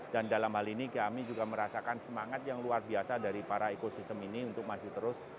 dan dalam hal ini kami juga merasakan semangat yang luar biasa dari para ekosistem ini untuk maju terus